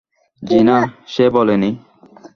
জি-না, সে বলে নি।